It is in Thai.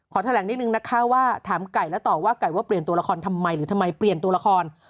แถลงนิดนึงนะคะว่าถามไก่และตอบว่าไก่ว่าเปลี่ยนตัวละครทำไมหรือทำไมเปลี่ยนตัวละคร